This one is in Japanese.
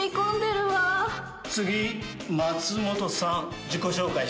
次松本さん。